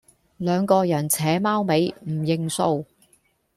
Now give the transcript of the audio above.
兩個人扯貓尾唔認數